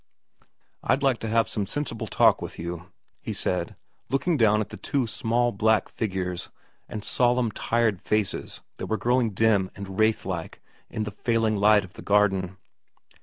' I'd like to have some sensible talk with you/ he said, looking down at the two small black figures and solemn tired faces that were growing dim and wraith like in the failing light of the garden.